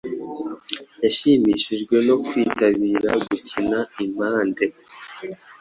Yashimishijwe no kwitabira gukina impande